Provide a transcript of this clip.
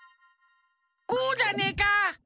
こうじゃねえか？